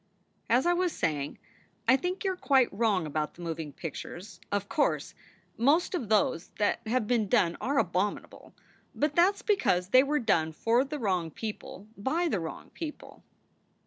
"As I was saying, I think you re quite wrong about the moving pictures. Of course, most of those that have been 70 SOULS FOR SALE done are abominable, but that s because they were done for the wrong people by the wrong people.